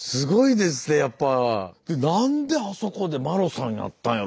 で何であそこで麿さんやったんやろ？